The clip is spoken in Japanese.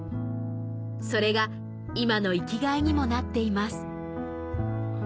それが今の生きがいにもなっています。